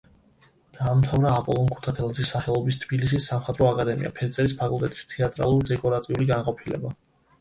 დაამთავრა აპოლონ ქუთათელაძის სახელობის თბილისის სამხატვრო აკადემია, ფერწერის ფაკულტეტის თეატრალურ-დეკორატიული განყოფილება.